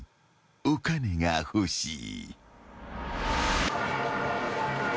お金が欲しい］